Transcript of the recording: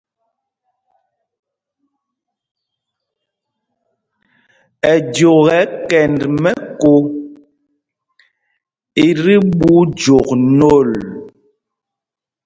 Ɛjok ɛ́ kɛnd mɛ̄ko i ti ɓu jɔk nôl.